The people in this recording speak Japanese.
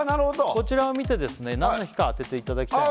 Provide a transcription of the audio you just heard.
こちらを見て何の日か当てていただきたい